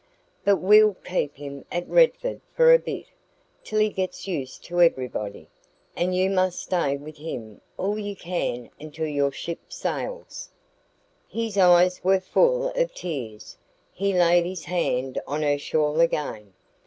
But we'll keep him at Redford for a bit, till he gets used to everybody; and you must stay with him all you can until your ship sails...." His eyes were full of tears. He laid his hand on her shawl again.